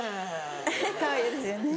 ウフっかわいいですよね。